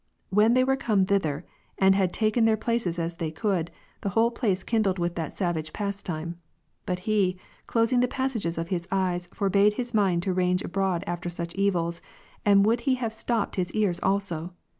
When they were come thither, and had taken their places as they could, the whole place kindled with that savage pastime. But he, closing the passages of his eyes, forbade his mind to range abroad after such evils ; and would he had stopped his ears also